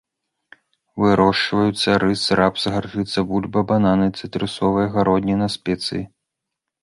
Вырошчваюцца рыс, рапс, гарчыца, бульба, бананы, цытрусавыя, гародніна, спецыі.